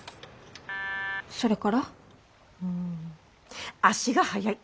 それから？ん足が速い！